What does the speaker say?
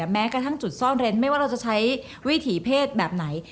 แม้กระทั่งจุดซ่อนเร้นไม่ว่าเราจะใช้วิถีเพศแบบไหน